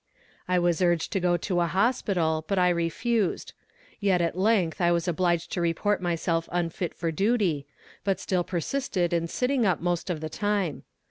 I was urged to go to a hospital, but refused; yet at length I was obliged to report myself unfit for duty, but still persisted in sitting up most of the time.